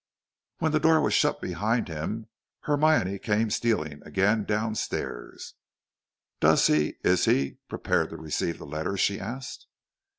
When the door was shut behind him, Hermione came stealing again down stairs. "Does he is he prepared to receive the letter?" she asked.